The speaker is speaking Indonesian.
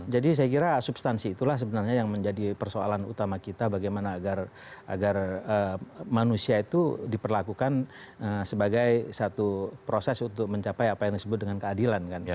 jadi saya kira substansi itulah sebenarnya yang menjadi persoalan utama kita bagaimana agar manusia itu diperlakukan sebagai satu proses untuk mencapai apa yang disebut dengan keadilan